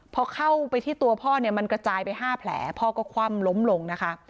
พอเข้าไปที่ตัวพ่อเนี่ยมันกระจายไป๕แผลพ่อก็คว่ำล้มลงนะคะ